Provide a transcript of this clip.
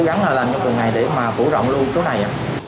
cố gắng làm cho người này để mà phủ rộng luôn chỗ này